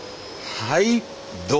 はい。